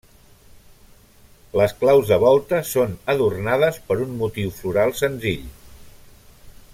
Les claus de volta són adornades per un motiu floral senzill.